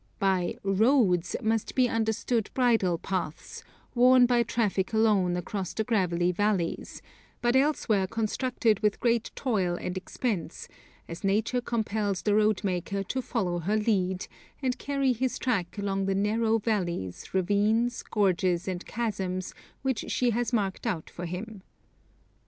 By 'roads' must be understood bridle paths, worn by traffic alone across the gravelly valleys, but elsewhere constructed with great toil and expense, as Nature compels the road maker to follow her lead, and carry his track along the narrow valleys, ravines, gorges, and chasms which she has marked out for him.